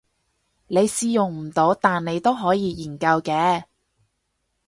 你試用唔到但你都可以研究嘅